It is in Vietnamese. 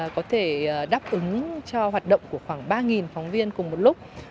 có thể đáp ứng cho hoạt động của khoảng ba phóng viên cùng một lúc